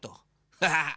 ハハハ！